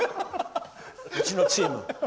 うちのチーム。